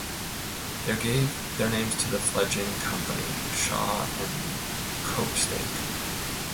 They gave their names to the fledgling company - Shaw and Copestake.